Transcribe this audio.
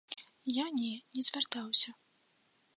Я не не звяртаўся.